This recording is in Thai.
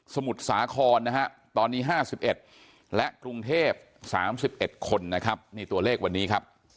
มุทรสาครนะฮะตอนนี้๕๑และกรุงเทพ๓๑คนนะครับนี่ตัวเลขวันนี้ครับ